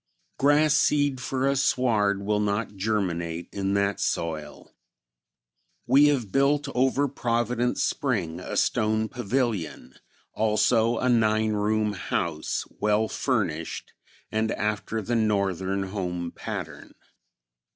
Grass seed for a sward will not germinate in that soil. We have built over Providence Spring a stone pavilion, also a nine room house, well furnished, and after the northern home pattern.